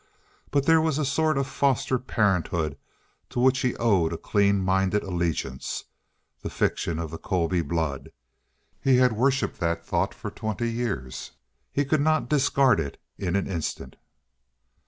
But there was a sort of foster parenthood to which he owed a clean minded allegiance the fiction of the Colby blood. He had worshipped that thought for twenty years. He could not discard it in an instant.